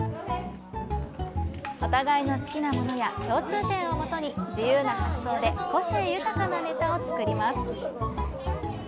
お互いの好きなものや共通点をもとに自由な発想で個性豊かなネタを作ります。